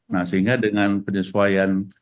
nah sehingga dengan penyesuaian